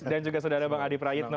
dan juga sudah ada bang adi prayitno